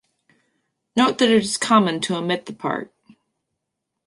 Note that it is common to omit the part.